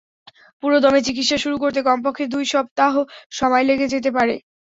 পুরোদমে চিকিৎসা শুরু করতে কমপক্ষে দুই সপ্তাহ সময় লেগে যেতে পারে।